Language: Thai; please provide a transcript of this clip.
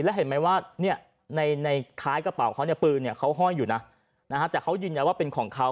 แล้วเห็นไหมว่าในท้ายกระเป๋าเขาเนี่ยปืนเขาห้อยอยู่นะแต่เขายืนยันว่าเป็นของเขา